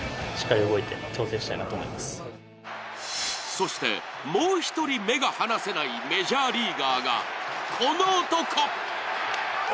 そして、もう一人目が離せないメジャーリーガーが、この男。